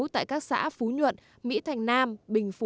tại các xã phú nhuận mỹ thành nam bình phú